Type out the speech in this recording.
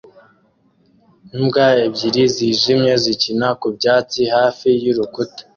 Imbwa ebyiri zijimye zikina ku byatsi hafi y'urukuta